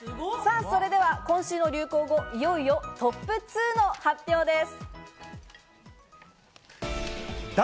今週の流行語、いよいよとトップ２の発表です。